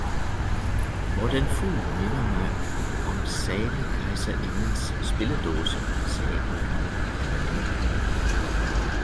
Hvor den Fugl minder mig om salig Keiserindens Spilledaase, sagde en gammel Cavaleer.